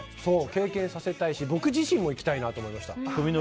経験させたいし僕自身も行きたいなと思いました。